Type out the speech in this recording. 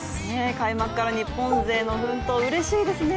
開幕から日本勢の奮闘、うれしいですね。